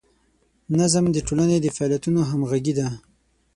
نظم د ټولنې د فعالیتونو همغږي ده.